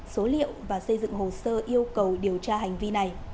số liệu và xây dựng hồ sơ yêu cầu điều tra hành vi này